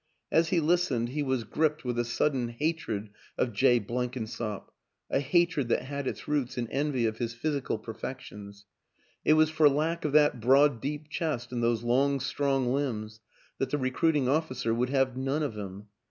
As he listened he was gripped 222 WILLIAM AN ENGLISHMAN with a sudden hatred of Jay Blenkinsop, a hatred that had its roots in envy of his physical perfec tions; it was for lack of that broad deep chest and those long strong limbs that the recruiting officer would have none of him